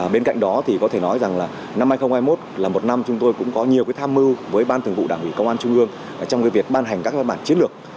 bên cạnh đó thì có thể nói rằng là năm hai nghìn hai mươi một là một năm chúng tôi cũng có nhiều tham mưu với ban thường vụ đảng ủy công an trung ương trong việc ban hành các văn bản chiến lược